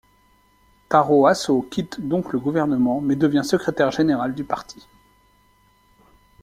Tarō Asō quitte donc le gouvernement mais devient secrétaire général du parti.